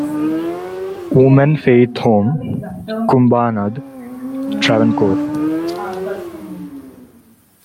Oommen Faith Home, Kumbanad, Travancore.